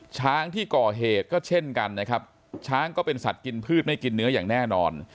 ช้างที่ก่อเหตุก็เช่นกันนะครับช้างก็เป็นสัตว์กินพืชไม่กินเนื้ออย่างแน่นอน